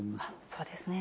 そうですね。